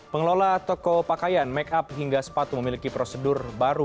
pengelola toko pakaian make up hingga sepatu memiliki prosedur baru